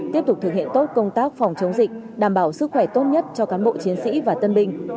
tiếp tục thực hiện tốt công tác phòng chống dịch đảm bảo sức khỏe tốt nhất cho cán bộ chiến sĩ và tân binh